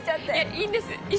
いいんです。